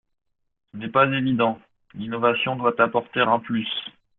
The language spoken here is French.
Ce n’est pas évident : l’innovation doit apporter un plus.